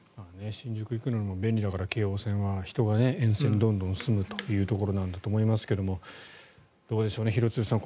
新宿行くのにも便利だから京王線は人が沿線にどんどん住むということなんだと思いますがどうでしょうね、廣津留さん